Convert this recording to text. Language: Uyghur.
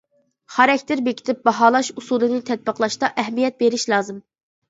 خاراكتېر بېكىتىپ باھالاش ئۇسۇلىنى تەتبىقلاشقا ئەھمىيەت بېرىش لازىم.